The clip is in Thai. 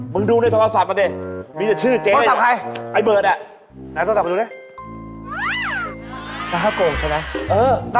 มึงดูเนี่ยโทรศัพท์ก่อนดิมีแต่ชื่อเจ๊